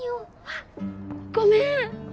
あっごめん